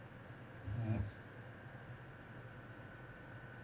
په افغانستان کې د ځمکه لپاره طبیعي شرایط مناسب دي.